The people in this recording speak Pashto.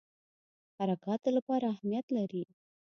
حرکاتو لپاره اهمیت لري.